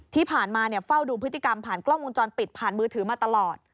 ที่ผ่านมาเฝ้าดูพฤติกรรมผ่านกล้องวงจรปิดผ่านมือถือมาตลอด